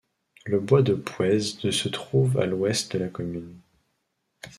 Le bois de Pouez de se trouve à l'ouest de la commune.